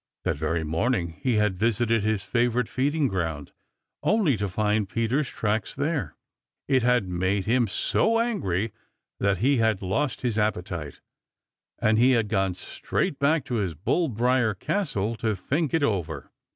That very morning he had visited his favorite feeding ground, only to find Peter's tracks there. It had made him so angry that he had lost his appetite, and he had gone straight back to his bull briar castle to think it over.